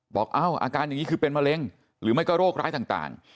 เอ้าอาการอย่างนี้คือเป็นมะเร็งหรือไม่ก็โรคร้ายต่าง